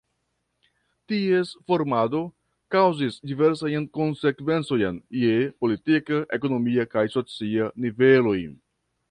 Ties formado kaŭzis diversajn konsekvencojn je politika, ekonomia kaj socia niveloj.